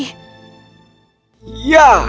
ya kita bisa bersembunyi di ruang kerja